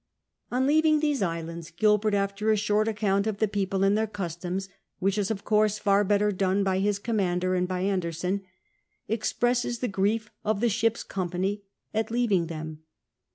On leaving these islands Gilbert, after a short account of the people and their customs, which is of course far b(jtter done by his commander and by Ander son, expresses the grief of the ship's company at leaving them.